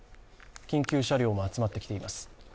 緊急車両も集まってきています。